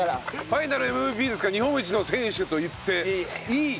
ファイナルＭＶＰですから日本一の選手と言っていい。